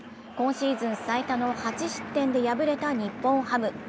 今シーズン最多の８失点で敗れた日本ハム。